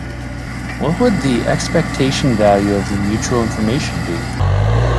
What would the expectation value of the mutual information be?